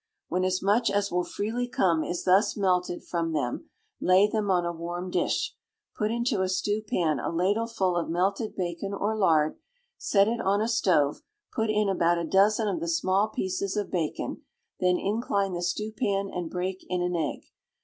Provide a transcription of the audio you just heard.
When as much as will freely come is thus melted from them, lay them on a warm dish. Put into a stewpan a ladleful of melted bacon or lard; set it on a stove; put in about a dozen of the small pieces of bacon, then incline the stewpan and break in an egg.